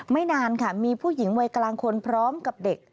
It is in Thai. นานค่ะมีผู้หญิงวัยกลางคนพร้อมกับเด็ก